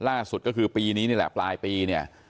ล่าสุดก็คือปีนี้นี่แหละปลายปีเนี่ย